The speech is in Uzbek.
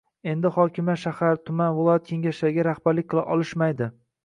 endi hokimlar shahar, tuman, viloyat Kengashlariga rahbarlik qila olishmaydi